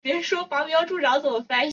沃特福德地处要冲。